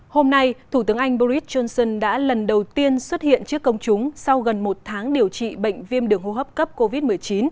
hôm nay thủ tướng anh boris johnson đã lần đầu tiên xuất hiện trước công chúng sau gần một tháng điều trị bệnh viêm đường hô hấp cấp covid một mươi chín